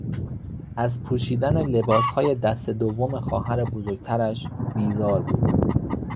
از پوشیدن لباسهای دست دوم خواهر بزرگترش بیزار بود.